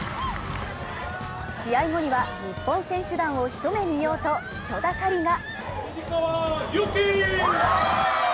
試合後には、日本選手団を一目見ようと人だかりが。